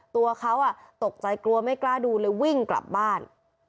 ตัวเขาตกใจกลัวไม่กล้าดูเลยวิ่งกลับบ้าน